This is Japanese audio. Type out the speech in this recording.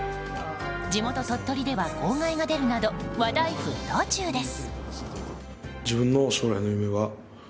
地元・鳥取では号外が出るなど話題沸騰中です。